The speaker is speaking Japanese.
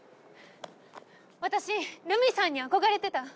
私ルミさんに憧れてた。